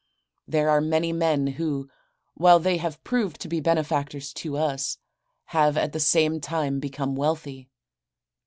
There are many men who, while they have proved to be benefactors to us, have at the same time become wealthy.